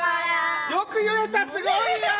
よく言えた、すごい。